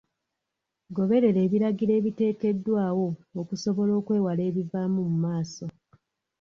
Goberera ebiragiro ebiteekeddwawo okusobola okwewala ebivaamu mu maaso.